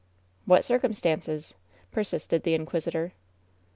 "What circumstances ?" persisted the inquisitor.